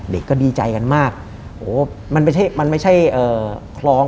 เด็กก็ดีใจกันมากโหมันไม่ใช่คล้อง